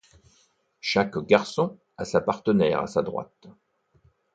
Chaque garçon a sa partenaire à sa droite.